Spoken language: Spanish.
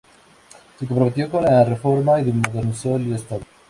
Se comprometió con la Reforma y modernizó el estado.